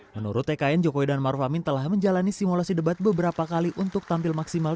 menurut tkn jokowi dan maruf amin telah menjalani simulasi debat beberapa kali untuk tampil maksimal